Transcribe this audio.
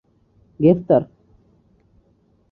তিনি সন্দেহ হিসাবে গ্রেপ্তার হয়েছিলেন।